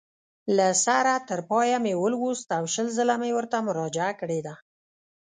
له سره تر پایه مې ولوست او شل ځله مې ورته مراجعه کړې ده.